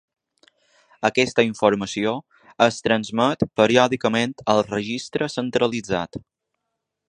Aquesta informació es transmet periòdicament al registre centralitzat.